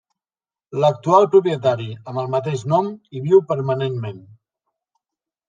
L'actual propietari, amb el mateix nom, hi viu permanentment.